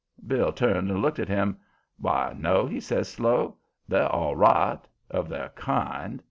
Bill turned and looked at him. "Why, no," he says, slow. "They're all right of their kind."